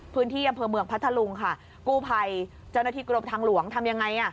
พื้นที่อำเภอเมืองพัทธลุงค่ะกู้ภัยเจ้าหน้าที่กรมทางหลวงทำยังไงอ่ะ